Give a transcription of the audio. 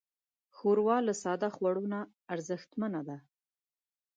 ښوروا له ساده خوړو نه ارزښتمنه ده.